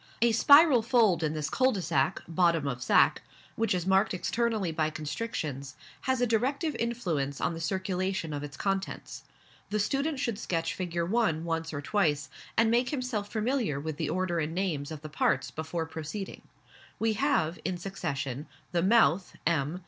A spiral fold in this cul de sac {bottom of sack}, which is marked externally by constrictions, has a directive influence on the circulation of its contents. The student should sketch Figure 1 once or twice, and make himself familiar with the order and names of the parts before proceeding. We have, in succession, the mouth (M.)